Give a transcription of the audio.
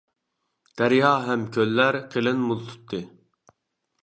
دەريا ھەم كۆللەر، قىلىن مۇز تۇتتى!